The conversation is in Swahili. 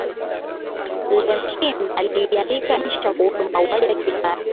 lemkin aliiandika insha kuhusu mauaji ya kimbari